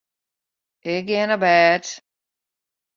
Ik gean op bêd.